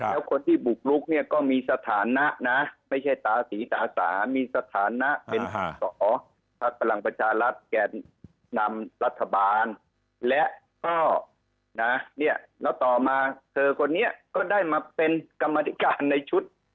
แล้วคนที่บุกลุกเนี่ยก็มีสถานะนะไม่ใช่ตาสีตาสามีสถานะเป็นสอสอพักพลังประชารัฐแก่นำรัฐบาลและก็นะเนี่ยแล้วต่อมาเธอคนนี้ก็ได้มาเป็นกรรมธิการในชุด